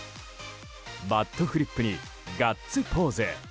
バットフリップにガッツポーズ。